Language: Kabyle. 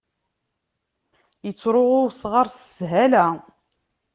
Yettṛuɣu wesɣaṛ s sshala.